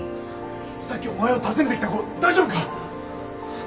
さっきお前を訪ねてきた子大丈夫か？